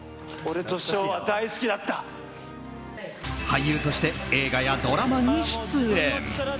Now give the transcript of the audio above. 俳優として映画やドラマに出演。